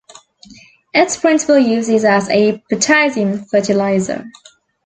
Its principal use is as a potassium fertilizer.